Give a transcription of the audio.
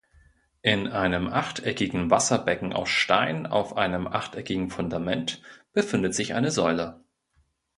In einem achteckigen Wasserbecken aus Stein auf einem achteckigen Fundament befindet sich eine Säule.